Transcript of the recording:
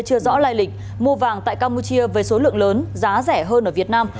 chưa rõ lai lịch mua vàng tại campuchia với số lượng lớn giá rẻ hơn ở việt nam